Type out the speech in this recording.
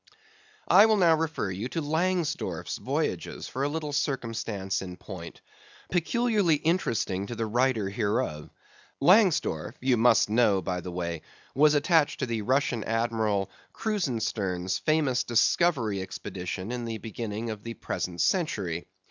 I will now refer you to Langsdorff's Voyages for a little circumstance in point, peculiarly interesting to the writer hereof. Langsdorff, you must know by the way, was attached to the Russian Admiral Krusenstern's famous Discovery Expedition in the beginning of the present century.